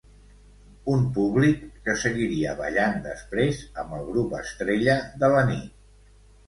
Un públic que seguiria ballant després amb el grup estrella de la nit.